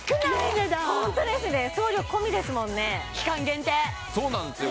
値段ホントですね送料込みですもんね期間限定そうなんですよ